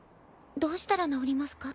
「どうしたら治りますか」